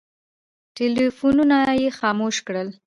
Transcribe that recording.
ټلفونونه یې خاموش کړل.